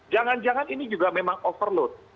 jangan jangan ini juga memang overload